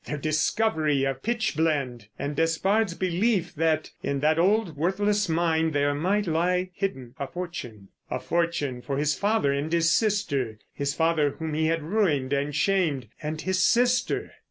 Their discovery of pitch blende—and Despard's belief that, in that old worthless mine, there might lie hidden a fortune. A fortune for his father and his sister. His father whom he had ruined and shamed. And his sister!